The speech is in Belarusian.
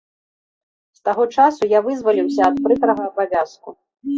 З таго часу я вызваліўся ад прыкрага абавязку.